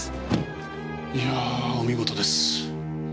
いやーお見事です。